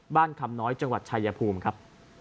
คำน้อยจังหวัดชายภูมิครับ